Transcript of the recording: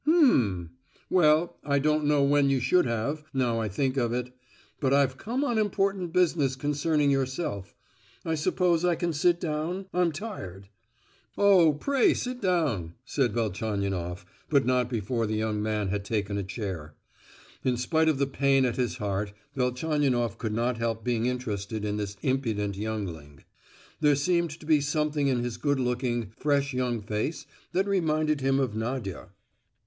"H'm! Well, I don't know when you should have, now I think of it; but I've come on important business concerning yourself. I suppose I can sit down? I'm tired." "Oh, pray sit down," said Velchaninoff, but not before the young man had taken a chair. In spite of the pain at his heart Velchaninoff could not help being interested in this impudent youngling. There seemed to be something in his good looking, fresh young face that reminded him of Nadia.